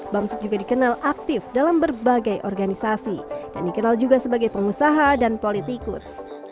bamsud juga dikenal aktif dalam berbagai organisasi yang dikenal juga sebagai pengusaha dan politikus